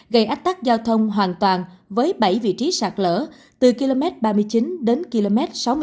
gây ách tắt giao thông hoàn toàn với bảy vị trí sạt lỡ từ km ba mươi chín đến km sáu mươi hai